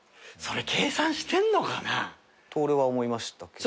それ計算してんのかな？と俺は思いました。